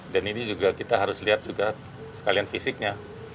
dan ini juga kita harus lihat juga sekalian fisiknya